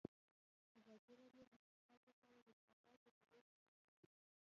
ازادي راډیو د اقتصاد لپاره د چارواکو دریځ خپور کړی.